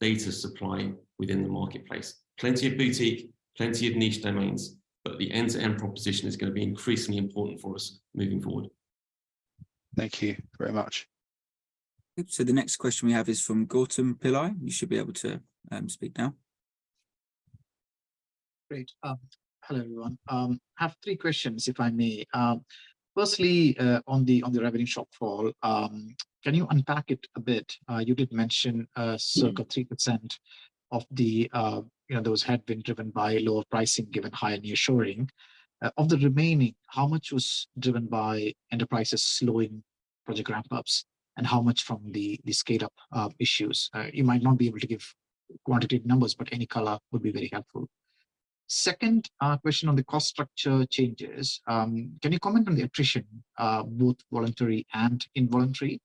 data supply within the marketplace. Plenty of boutique, plenty of niche domains, but the end-to-end proposition is gonna be increasingly important for us moving forward. Thank you very much. So the next question we have is from Gautam Pillai. You should be able to speak now. Great. Hello, everyone. I have three questions, if I may. Firstly, on the revenue shortfall, can you unpack it a bit? You did mention, Mm-hmm. ...circa 3% of the, you know, those had been driven by lower pricing, given higher nearshoring. Of the remaining, how much was driven by enterprises slowing project ramp-ups, and how much from the, the scale-up issues? You might not be able to give quantitative numbers, but any color would be very helpful. Second, question on the cost structure changes. Can you comment on the attrition, both voluntary and involuntary?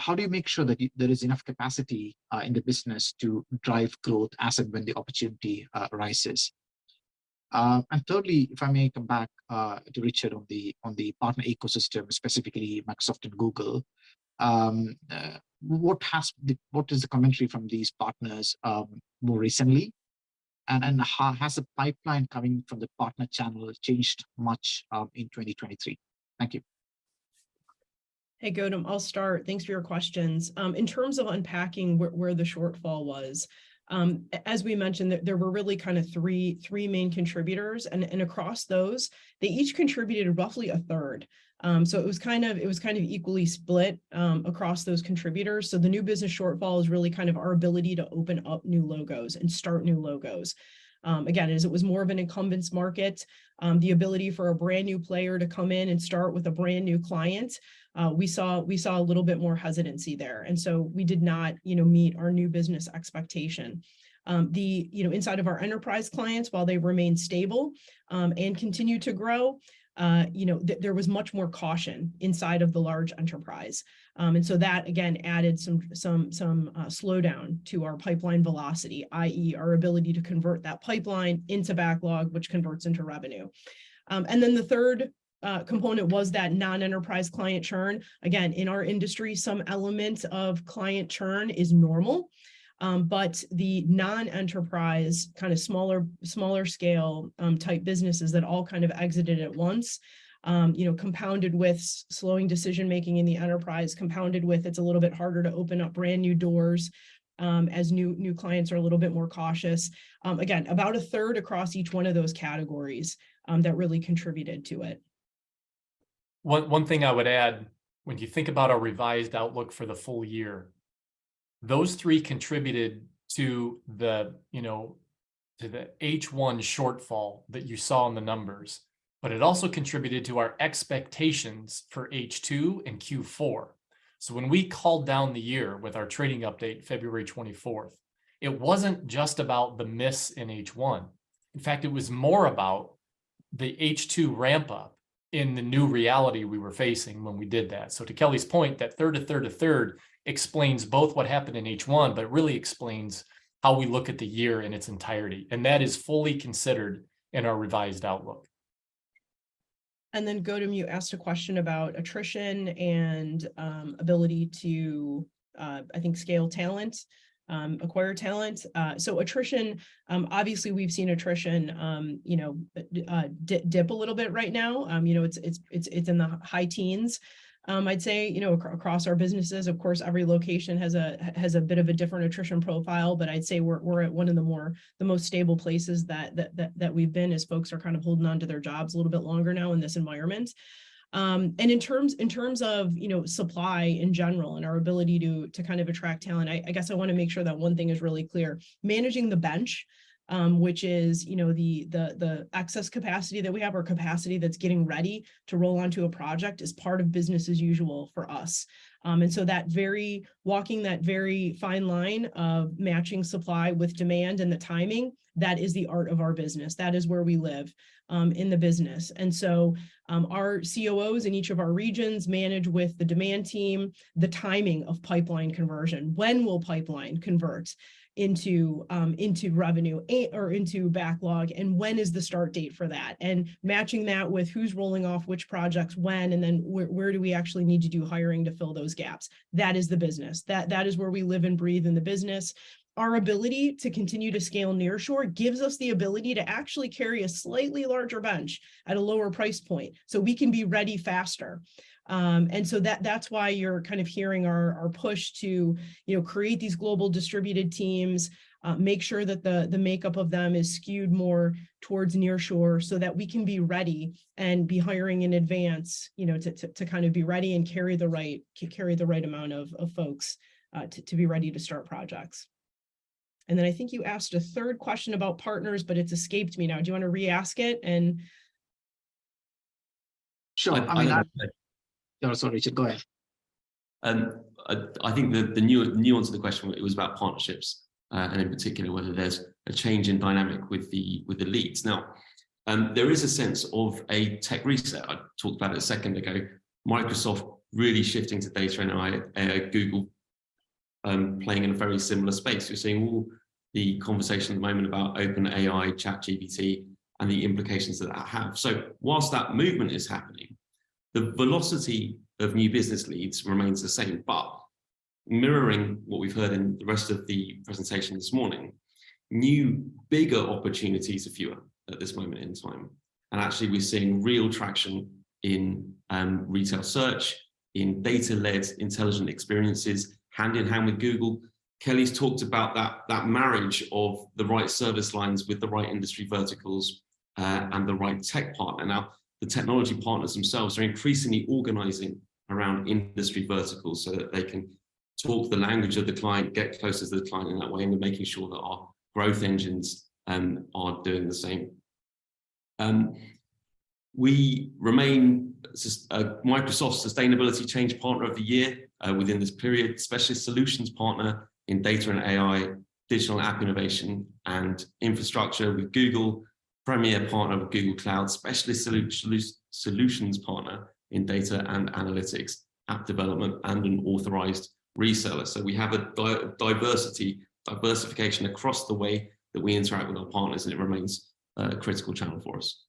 How do you make sure that there is enough capacity in the business to drive growth as and when the opportunity arises? Thirdly, if I may come back to Richard on the, on the partner ecosystem, specifically Microsoft and Google, what has the... what is the commentary from these partners more recently? Has the pipeline coming from the partner channel changed much in 2023? Thank you. Hey, Gautam. I'll start. Thanks for your questions. In terms of unpacking where the shortfall was, as we mentioned, there were really kind of three main contributors, and across those, they each contributed roughly a third. So it was kind of equally split across those contributors. So the new business shortfall is really kind of our ability to open up new logos and start new logos. Again, as it was more of an incumbents market, the ability for a brand-new player to come in and start with a brand-new client, we saw a little bit more hesitancy there, and so we did not, you know, meet our new business expectation. You know, inside of our enterprise clients, while they remained stable, and continued to grow, you know, there was much more caution inside of the large enterprise. And so that, again, added some slowdown to our pipeline velocity, i.e., our ability to convert that pipeline into backlog, which converts into revenue. And then the third component was that non-enterprise client churn. Again, in our industry, some element of client churn is normal, but the non-enterprise, kind of smaller scale, type businesses that all kind of exited at once, you know, compounded with slowing decision-making in the enterprise, compounded with it's a little bit harder to open up brand-new doors, as new clients are a little bit more cautious. Again, about a third across each one of those categories, that really contributed to it. One thing I would add, when you think about our revised outlook for the full year, those three contributed to the, you know, to the H1 shortfall that you saw in the numbers, but it also contributed to our expectations for H2 and Q4. So when we called down the year with our trading update, February 24th, it wasn't just about the miss in H1. In fact, it was more about the H2 ramp-up in the new reality we were facing when we did that. So to Kelly's point, that third to third explains both what happened in H1, but really explains how we look at the year in its entirety, and that is fully considered in our revised outlook. Then, Gautam, you asked a question about attrition and ability to, I think, scale talent, acquire talent. So attrition, obviously, we've seen attrition, you know, dip a little bit right now. You know, it's in the high teens. I'd say, you know, across our businesses, of course, every location has a bit of a different attrition profile, but I'd say we're at one of the more, the most stable places that we've been, as folks are kind of holding onto their jobs a little bit longer now in this environment. And in terms of, you know, supply in general and our ability to kind of attract talent, I guess I want to make sure that one thing is really clear: Managing the bench, which is, you know, the excess capacity that we have or capacity that's getting ready to roll onto a project, is part of business as usual for us. And so, walking that very fine line of matching supply with demand and the timing, that is the art of our business. That is where we live in the business. And so, our COOs in each of our regions manage with the demand team, the timing of pipeline conversion. When will pipeline convert into revenue or into backlog, and when is the start date for that? Matching that with who's rolling off which projects when, and then where do we actually need to do hiring to fill those gaps? That is the business. That is where we live and breathe in the business. Our ability to continue to scale nearshore gives us the ability to actually carry a slightly larger bench at a lower price point, so we can be ready faster. And so that's why you're kind of hearing our push to, you know, create these global distributed teams, make sure that the makeup of them is skewed more towards nearshore, so that we can be ready and be hiring in advance, you know, to kind of be ready and carry the right amount of folks to be ready to start projects. And then I think you asked a third question about partners, but it's escaped me now. Do you wanna re-ask it and- Sure. I- No, sorry, Richard, go ahead. I think the nuance of the question, it was about partnerships, and in particular, whether there's a change in dynamic with the leads. Now, there is a sense of a tech reset. I talked about it a second ago. Microsoft really shifting to data and Google, playing in a very similar space. We're seeing all the conversation at the moment about OpenAI, ChatGPT, and the implications that that have. So whilst that movement is happening, the velocity of new business leads remains the same, but mirroring what we've heard in the rest of the presentation this morning, new bigger opportunities are fewer at this moment in time. And actually, we're seeing real traction in retail search, in data-led Intelligent Experiences, hand-in-hand with Google. Kelly's talked about that, that marriage of the right service lines with the right industry verticals, and the right tech partner. Now, the technology partners themselves are increasingly organizing around industry verticals so that they can talk the language of the client, get closer to the client in that way, and we're making sure that our growth engines are doing the same. We remain Microsoft's Sustainability Change Partner of the Year within this period, Specialist Solutions Partner in Data and AI, Digital App Innovation, and Infrastructure with Google, Premier Partner with Google Cloud, Specialist Solutions Partner in Data and Analytics, App Development, and an authorized reseller. So we have a diversification across the way that we interact with our partners, and it remains a critical channel for us.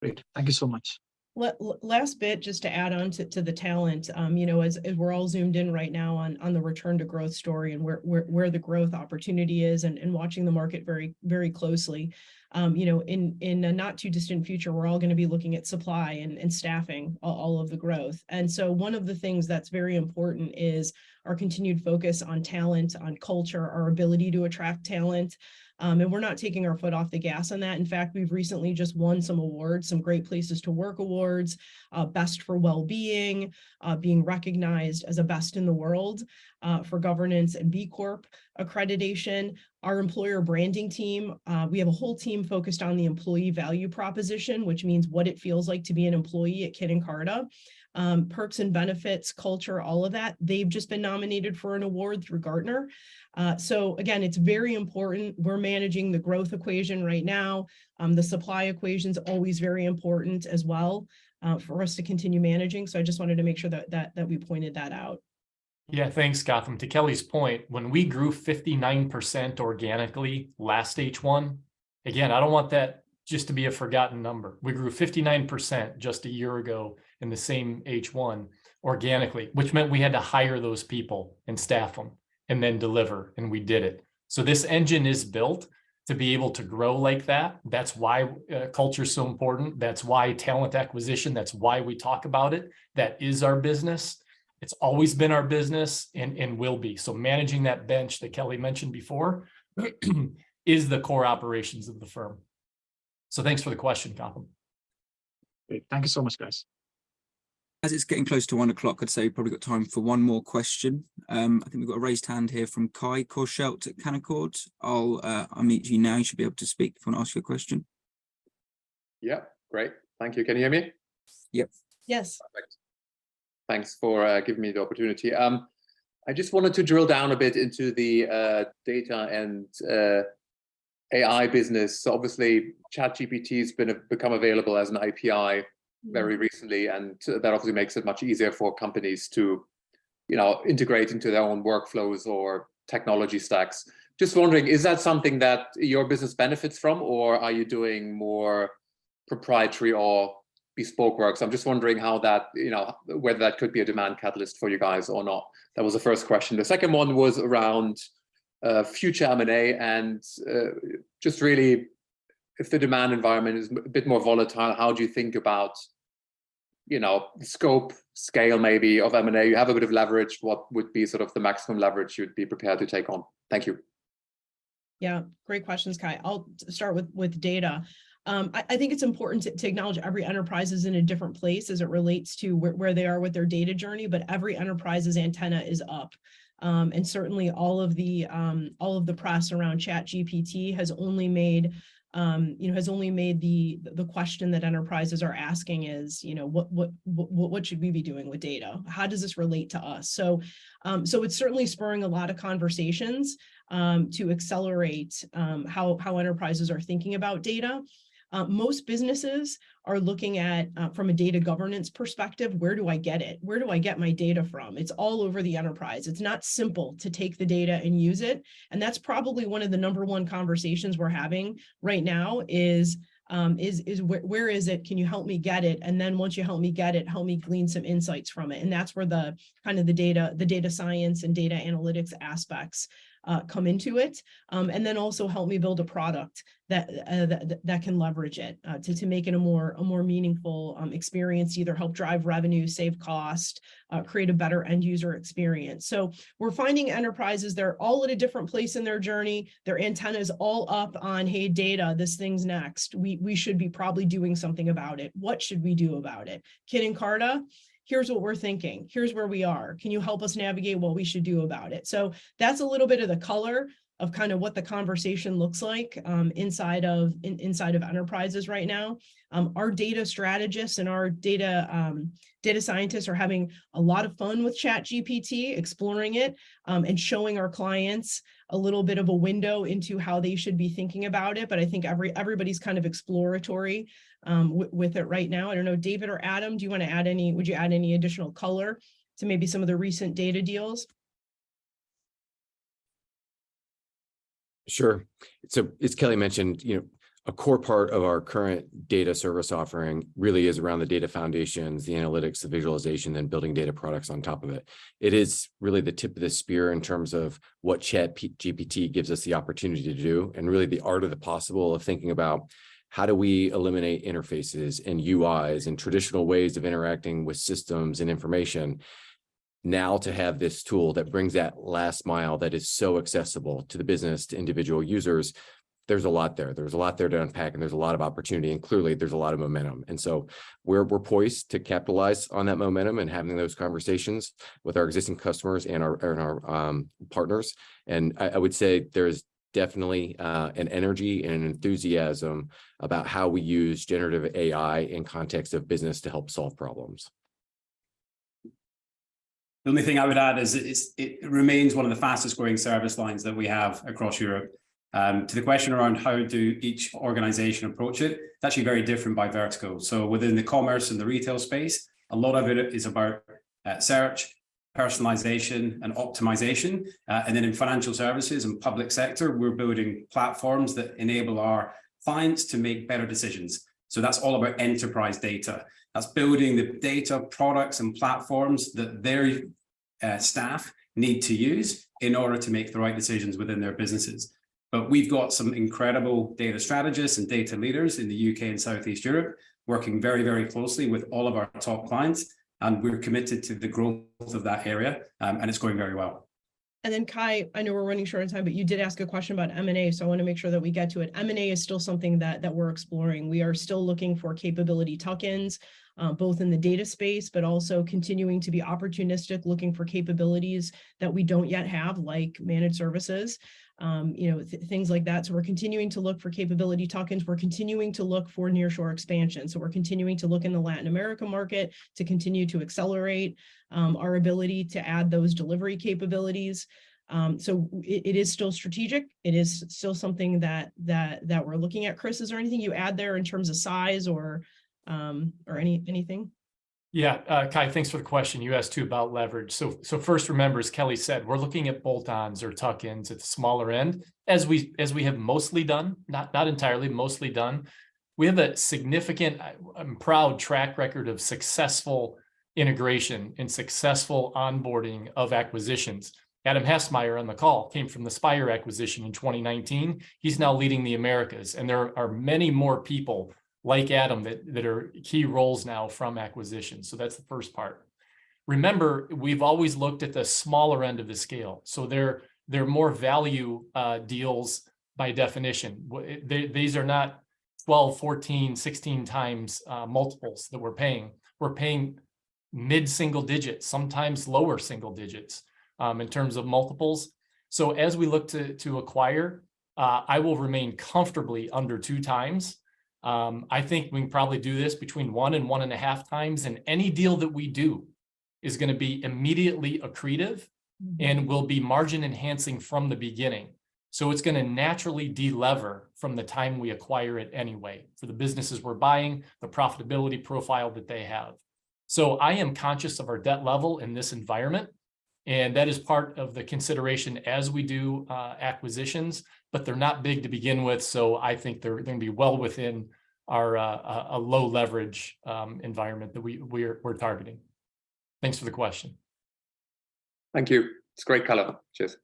Great. Thank you so much. Well, last bit, just to add on to the talent. You know, as we're all Zoomed in right now on the return to growth story and where the growth opportunity is, and watching the market very closely, you know, in a not-too-distant future, we're all gonna be looking at supply and staffing all of the growth. And so one of the things that's very important is our continued focus on talent, on culture, our ability to attract talent, and we're not taking our foot off the gas on that. In fact, we've recently just won some awards, some Great Places to Work awards, Best for Wellbeing, being recognized as a Best in the World, for governance and B Corp accreditation. Our employer branding team, we have a whole team focused on the employee value proposition, which means what it feels like to be an employee at Kin + Carta. Perks and benefits, culture, all of that, they've just been nominated for an award through Gartner. So again, it's very important. We're managing the growth equation right now. The supply equation's always very important as well, for us to continue managing. So I just wanted to make sure that we pointed that out. Yeah, thanks, Gautam. To Kelly's point, when we grew 59% organically last H1... Again, I don't want that just to be a forgotten number. We grew 59% just a year ago in the same H1 organically, which meant we had to hire those people and staff them, and then deliver, and we did it. So this engine is built to be able to grow like that. That's why culture is so important. That's why talent acquisition, that's why we talk about it. That is our business. It's always been our business, and will be. So managing that bench that Kelly mentioned before is the core operations of the firm. So thanks for the question, Gautam. Great. Thank you so much, guys. As it's getting close to one o'clock, I'd say we've probably got time for one more question. I think we've got a raised hand here from Kai Korschelt at Canaccord. I'll unmute you now. You should be able to speak if you want to ask your question. Yeah, great. Thank you. Can you hear me? Yep. Yes. Perfect. Thanks for giving me the opportunity. I just wanted to drill down a bit into the data and AI business. Obviously, ChatGPT has become available as an API- Mm-hmm. Very recently, and so that obviously makes it much easier for companies to, you know, integrate into their own workflows or technology stacks. Just wondering, is that something that your business benefits from, or are you doing more proprietary or bespoke works? I'm just wondering how that... you know, whether that could be a demand catalyst for you guys or not. That was the first question. The second one was around future M&A, and just really, if the demand environment is a bit more volatile, how do you think about, you know, scope, scale, maybe, of M&A? You have a bit of leverage. What would be sort of the maximum leverage you'd be prepared to take on? Thank you. Yeah, great questions, Kai. I'll start with data. I think it's important to acknowledge every enterprise is in a different place as it relates to where they are with their data journey, but every enterprise's antenna is up. And certainly all of the press around ChatGPT has only made, you know, the question that enterprises are asking is, you know, "What should we be doing with data? How does this relate to us?" So it's certainly spurring a lot of conversations to accelerate how enterprises are thinking about data. Most businesses are looking at from a data governance perspective: Where do I get it? Where do I get my data from? It's all over the enterprise. It's not simple to take the data and use it, and that's probably one of the number one conversations we're having right now, is: Where is it? Can you help me get it? And then once you help me get it, help me glean some insights from it. And that's where the kind of the data science and data analytics aspects come into it. And then also help me build a product that can leverage it to make it a more meaningful experience. Either help drive revenue, save cost, create a better end user experience. So we're finding enterprises, they're all at a different place in their journey. Their antenna is all up on, "Hey, data, this thing's next. We should be probably doing something about it. What should we do about it? Kin + Carta, here's what we're thinking. Here's where we are. Can you help us navigate what we should do about it? That's a little bit of the color of kind of what the conversation looks like, inside of enterprises right now. Our data strategists and our data scientists are having a lot of fun with ChatGPT, exploring it, and showing our clients a little bit of a window into how they should be thinking about it, but I think everybody's kind of exploratory with it right now. I don't know, David or Adam, do you want to add any—would you add any additional color to maybe some of the recent data deals? Sure. So as Kelly mentioned, you know, a core part of our current data service offering really is around the data foundations, the analytics, the visualization, and building data products on top of it. It is really the tip of the spear in terms of what ChatGPT gives us the opportunity to do, and really the art of the possible of thinking about how do we eliminate interfaces and UIs and traditional ways of interacting with systems and information? Now, to have this tool that brings that last mile, that is so accessible to the business, to individual users, there's a lot there. There's a lot there to unpack, and there's a lot of opportunity, and clearly, there's a lot of momentum. And so we're poised to capitalize on that momentum and having those conversations with our existing customers and our partners. I would say there's definitely an energy and enthusiasm about how we use generative AI in context of business to help solve problems. The only thing I would add is it remains one of the fastest-growing service lines that we have across Europe. To the question around how do each organization approach it? It's actually very different by vertical. So within the commerce and the retail space, a lot of it is about search, personalization, and optimization. And then in financial services and public sector, we're building platforms that enable our clients to make better decisions. So that's all about enterprise data. That's building the data products and platforms that their staff need to use in order to make the right decisions within their businesses. But we've got some incredible data strategists and data leaders in the U.K. and Southeast Europe working very, very closely with all of our top clients, and we're committed to the growth of that area, and it's going very well. Then, Kai, I know we're running short on time, but you did ask a question about M&A, so I wanna make sure that we get to it. M&A is still something that we're exploring. We are still looking for capability tuck-ins, both in the data space, but also continuing to be opportunistic, looking for capabilities that we don't yet have, like managed services, you know, things like that. So we're continuing to look for capability tuck-ins. We're continuing to look for nearshore expansion, so we're continuing to look in the Latin America market to continue to accelerate our ability to add those delivery capabilities. So it is still strategic. It is still something that we're looking at. Chris, is there anything you add there in terms of size or or anything? Yeah. Kai, thanks for the question. You asked, too, about leverage. So, first, remember, as Kelly said, we're looking at bolt-ons or tuck-ins at the smaller end, as we have mostly done, not entirely, mostly done. We have a significant proud track record of successful integration and successful onboarding of acquisitions. Adam Hasemeyer, on the call, came from the Spire acquisition in 2019. He's now leading the Americas, and there are many more people like Adam that are key roles now from acquisitions. So that's the first part. Remember, we've always looked at the smaller end of the scale, so they're more value deals by definition. These are not 12x, 14x, 16x multiples that we're paying. We're paying mid-single digits, sometimes lower single digits, in terms of multiples. So as we look to acquire, I will remain comfortably under 2x. I think we can probably do this between 1x and 1.5x, and any deal that we do is gonna be immediately accretive- Mm-hmm.... and will be margin-enhancing from the beginning. So it's gonna naturally de-lever from the time we acquire it anyway, so the businesses we're buying, the profitability profile that they have. So I am conscious of our debt level in this environment, and that is part of the consideration as we do acquisitions, but they're not big to begin with, so I think they're gonna be well within our a low leverage environment that we're targeting. Thanks for the question. Thank you. It's great color. Cheers.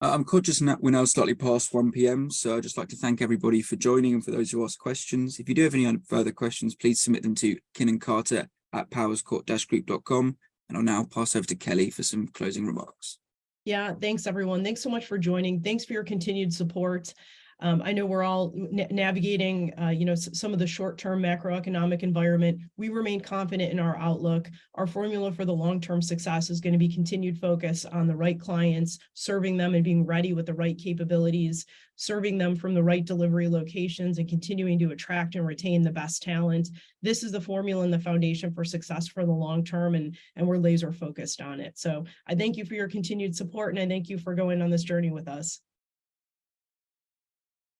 I'm conscious now we're now slightly past 1:00 P.M., so I'd just like to thank everybody for joining and for those who asked questions. If you do have any other further questions, please submit them to Kin + Carta at powerscourt-group.com, and I'll now pass over to Kelly for some closing remarks. Yeah. Thanks, everyone. Thanks so much for joining. Thanks for your continued support. I know we're all navigating, you know, some of the short-term macroeconomic environment. We remain confident in our outlook. Our formula for the long-term success is gonna be continued focus on the right clients, serving them, and being ready with the right capabilities, serving them from the right delivery locations, and continuing to attract and retain the best talent. This is the formula and the foundation for success for the long term, and we're laser-focused on it. So I thank you for your continued support, and I thank you for going on this journey with us.